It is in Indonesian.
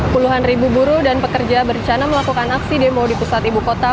puluhan ribu buruh dan pekerja bercana melakukan aksi demo di pusat ibu kota